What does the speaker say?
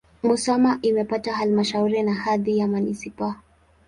Musoma imepata halmashauri na hadhi ya manisipaa.